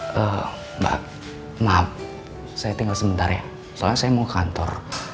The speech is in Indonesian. mbak maaf saya tinggal sebentar ya soalnya saya mau ke kantor